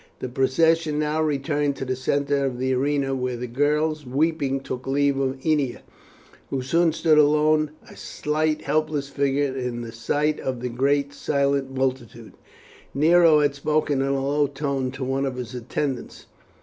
The procession now returned to the centre of the arena, where the girls, weeping, took leave of Ennia, who soon stood alone a slight helpless figure in the sight of the great silent multitude. Nero had spoken in a low tone to one of his attendants.